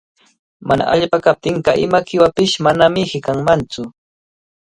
Mana allpa kaptinqa ima qiwapish manami hiqanmantsu.